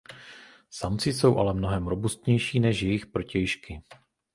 Samci jsou ale mnohem robustnější než jejich protějšky.